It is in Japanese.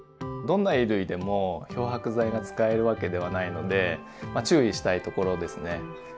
どんな衣類でも漂白剤が使えるわけではないのでまあ注意したいところですね。